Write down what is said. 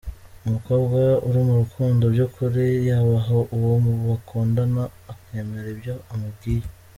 Umukobwa uri mu rukundo by’ukuri yubaha uwo bakundana akemera ibyo amubwiye.